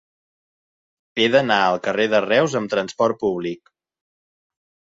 He d'anar al carrer de Reus amb trasport públic.